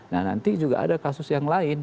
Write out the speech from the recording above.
nah nanti juga ada kasus yang lain